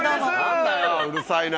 何だようるさいな。